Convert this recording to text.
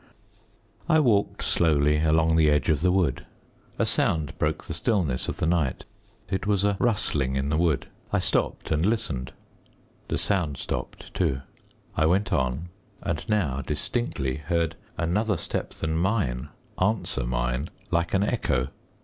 I walked slowly along the edge of the wood. A sound broke the stillness of the night, it was a rustling in the wood. I stopped and listened. The sound stopped too. I went on, and now distinctly heard another step than mine answer mine like an echo.